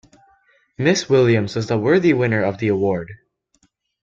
Miss Williams was the worthy winner of the award.